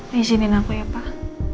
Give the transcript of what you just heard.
disiniin aku ya pak